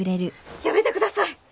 やめてください。